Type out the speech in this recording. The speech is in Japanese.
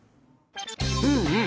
うんうん。